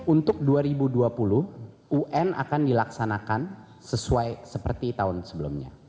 untuk dua ribu dua puluh un akan dilaksanakan sesuai seperti tahun sebelumnya